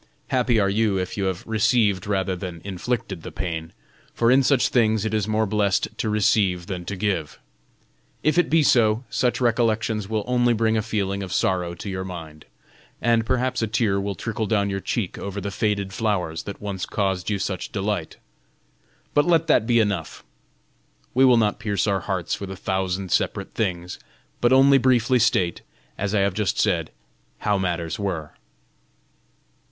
Happy are you if you have received rather than inflicted the pain, for in such things it is more blessed to receive than to give. If it be so, such recollections will only bring a feeling of sorrow to your mind, and perhaps a tear will trickle down your cheek over the faded flowers that once caused you such delight. But let that be enough. We will not pierce our hearts with a thousand separate things, but only briefly state, as I have just said, how matters were.